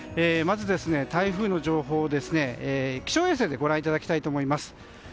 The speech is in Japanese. まず、台風の情報を気象衛星でご覧いただきたいと思います。